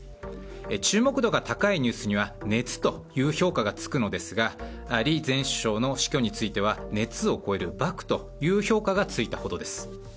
注目度が高いニュースには熱という評価がつくのですが李前首相の死去については熱を超える爆という評価がついたほどです。